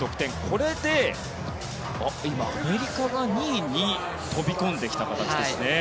これでアメリカが２位に飛び込んできた形ですね。